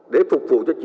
để phục vụ cho chính phủ